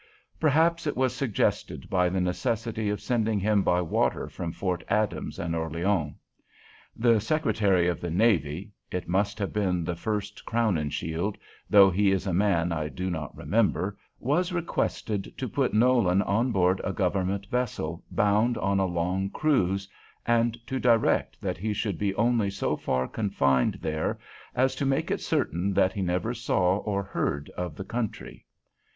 Perhaps it was suggested by the necessity of sending him by water from Fort Adams and Orleans. The Secretary of the Navy it must have been the first Crowninshield, though he is a man I do not remember was requested to put Nolan on board a government vessel bound on a long cruise, and to direct that he should be only so far confined there as to make it certain that he never saw or heard of the country.